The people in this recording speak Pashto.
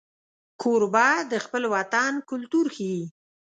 کوربه د خپل وطن کلتور ښيي.